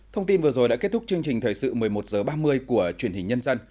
thông tin vừa rồi đã kết thúc chương trình thời sự một mươi một h ba mươi của truyền hình nhân dân